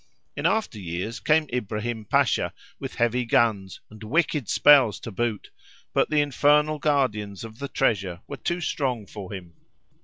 In after years came Ibrahim Pasha, with heavy guns, and wicked spells to boot, but the infernal guardians of the treasure were too strong for him.